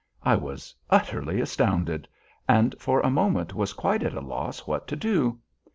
I was utterly astounded, and for a moment was quite at a loss what to do.